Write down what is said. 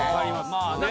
まあね